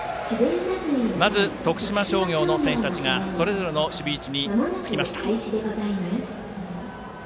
まず、徳島商業の選手たちがそれぞれの守備位置につきました。